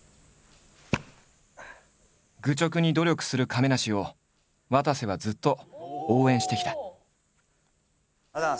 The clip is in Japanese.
愚直に努力する亀梨をわたせはずっと応援してきた。